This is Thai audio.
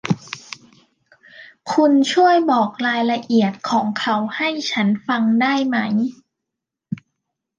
คุณช่วยบอกรายละเอียดของเขาให้ฉันฟังหน่อยได้ไหม ?